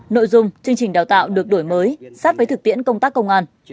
nội dung chương trình đào tạo được đổi mới sát với thực tiễn công tác công an